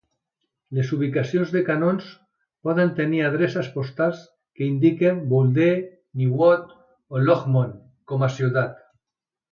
Les ubicacions de canons poden tenir adreces postals que indiquen Boulder, Niwot o Longmont com a ciutat.